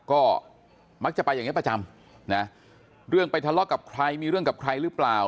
ก็มักจะไปอย่างนี้ประจำนะเรื่องไปทะเลาะกับใครมีเรื่องกับใครหรือเปล่า